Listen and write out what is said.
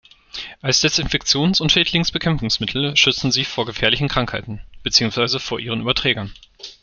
Als Desinfektions- und Schädlingsbekämpfungsmittel schützen sie vor gefährlichen Krankheiten bzw. vor ihren Überträgern.